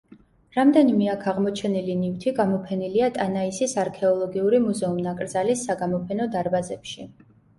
რამდენიმე აქ აღმოჩენილი ნივთი გამოფენილია ტანაისის არქეოლოგიური მუზეუმ-ნაკრძალის საგამოფენო დარბაზებში.